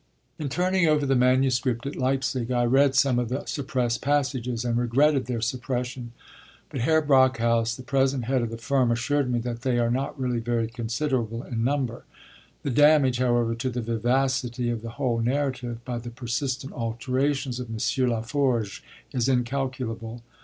In turning over the manuscript at Leipzig, I read some of the suppressed passages, and regretted their suppression; but Herr Brockhaus, the present head of the firm, assured me that they are not really very considerable in number. The damage, however, to the vivacity of the whole narrative, by the persistent alterations of M. Laforgue, is incalculable.